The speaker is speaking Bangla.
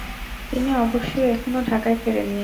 তিনি অবশ্যি এখনো ঢাকায় ফেরেননি।